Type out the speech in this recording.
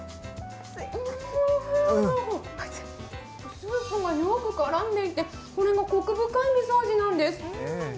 スープがよく絡んでいて、これがこく深いみそ味なってす。